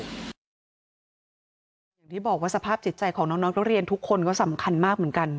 อย่างที่บอกว่าสภาพจิตใจของน้องนักเรียนทุกคนก็สำคัญมากเหมือนกัน